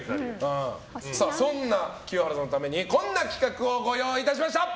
そんな清原さんのためにこんな企画をご用意いたしました。